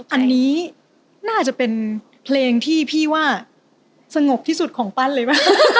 อันนี้น่าจะเป็นเพลงที่พี่ว่าสงบที่สุดของปั้นเลยป่ะ